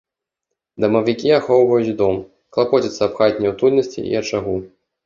Дамавікі ахоўваюць дом, клапоцяцца аб хатняй утульнасці і ачагу.